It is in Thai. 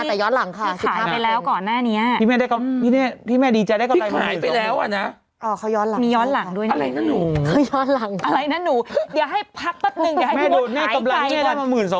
เอาล่ะก็ตั้งใจว่าตั้งใจว่าเออ